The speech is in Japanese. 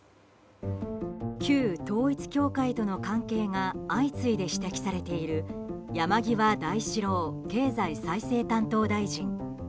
旧統一教会との関係が相次いで指摘されている山際大志郎経済再生担当大臣。